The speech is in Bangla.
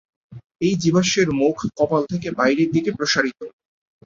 এই জীবাশ্মের মুখ কপাল থেকে বাইরের দিকে প্রসারিত।